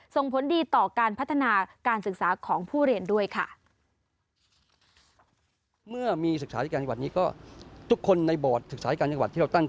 ส่งผลดีต่อการพัฒนาการศึกษาของผู้เรียนด้วยค่ะ